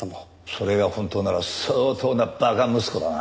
それが本当なら相当な馬鹿息子だな。